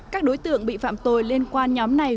các đối tượng bị phạm tội liên quan nhóm này